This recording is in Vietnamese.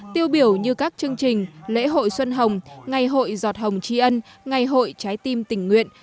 tiêu biểu như các chương trình lễ hội xuân hồng ngày hội giọt hồng tri ân ngày hội trái tim tình nguyện